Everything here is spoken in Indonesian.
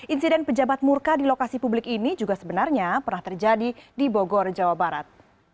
insiden pejabat murka di lokasi publik ini juga sebenarnya pernah terjadi di bogor jawa barat